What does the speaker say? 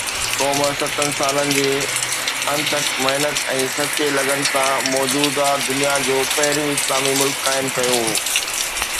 قوم ستن سالن جي اڻٿڪ محنت ۽ سچي لگن سان موجوده دنيا جو پهريون اسلامي ملڪ قائم ڪيو هو